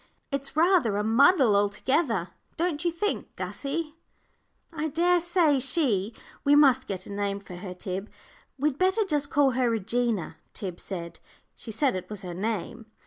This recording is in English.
It's rather a muddle altogether, don't you think, Gussie?" "I dare say she we must get a name for her, Tib " "We'd better just call her Regina," Tib said. "She said it was her name."